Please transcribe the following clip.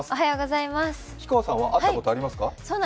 氷川さんは会ったことはありますか？